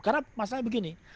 karena masalahnya begini